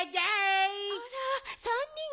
あら３にん？